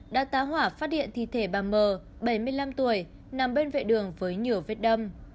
đã tá hỏa phát hiện thi thể bà mờ bảy mươi năm tuổi nằm bên vệ đường với nhiều vết đâm